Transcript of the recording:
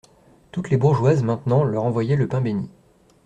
Toutes les bourgeoises, maintenant leur envoyaient le pain bénit.